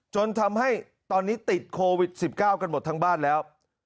จนทำให้ตอนนี้ติดโควิด๑๙กันหมดทั้งบ้านแล้ว